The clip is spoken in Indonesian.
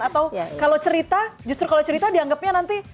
atau kalau cerita justru kalau cerita dianggapnya nanti